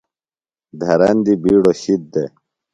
دھرندیۡ بِیڈوۡ شِد دےۡ۔